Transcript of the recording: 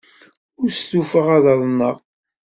Ur stufaɣ ad aḍneɣ.